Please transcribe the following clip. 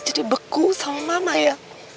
jadi beku sama mama ya